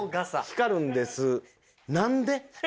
「光るんです」。